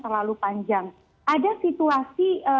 terlalu panjang ada situasi